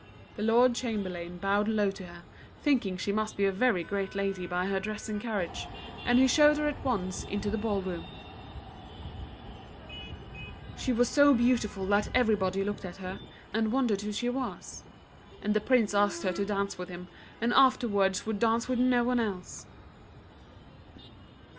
The Lord Chamberlain bowed low to her, thinking she must be a very great lady by her dress and carriage, and he showed her at once into the ball room. [Illustration: THE FAIRY GODMOTHER.] She was so beautiful that everybody looked at her, and wondered who she was; and the Prince asked her to dance with him, and afterwards would dance with no one else. [Illustration: ARRIVAL AT THE PALACE.